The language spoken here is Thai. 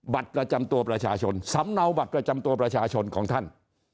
บัตรประจำตัวประชาชนสำเนาบัตรประจำตัวประชาชนของท่าน